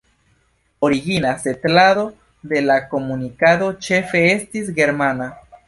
Origina setlado de la komunikado ĉefe estis germana.